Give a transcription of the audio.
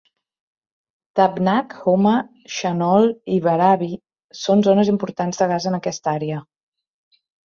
Tabnak, Homa, Shanol i Varavi són zones importants de gas en aquesta àrea.